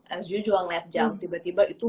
as you juga ngeliat jam tiba tiba itu